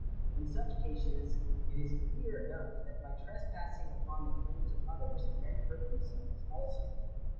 In such cases it is clear enough, that by trespassing upon the claims of others, men hurt themselves also.